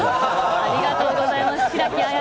ありがとうございます。